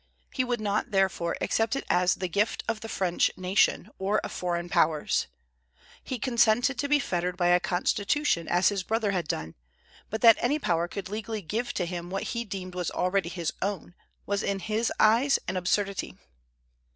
He would not, therefore, accept it as the gift of the French nation, or of foreign Powers. He consented to be fettered by a Constitution, as his brother had done; but that any power could legally give to him what he deemed was already his own, was in his eyes an absurdity.